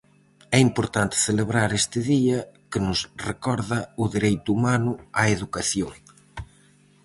É importante celebrar este día que nos recorda o dereito humano á educación.